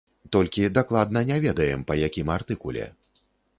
Толькі дакладна не ведаем, па якім артыкуле.